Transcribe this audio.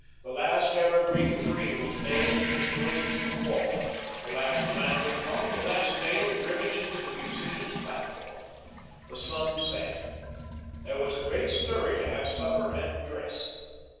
The last evergreen tree was nailed to the joists of the walls; the last lantern hung, the last nail driven into the musicians' platform. The sun set. There was a great scurry to have supper and dress.